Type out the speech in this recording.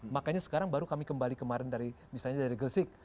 makanya sekarang baru kami kembali kemarin dari misalnya dari gresik